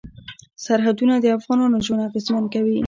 سرحدونه د افغانانو ژوند اغېزمن کوي.